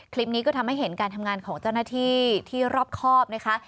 คลิปนี้ก็ทำให้เห็นการทำงานของเจ้าหน้าที่ที่รอบครอบนะคะ